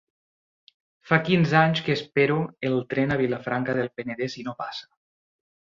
Fa quinze anys que espero el tren a Vilafranca del Penedès i no passa.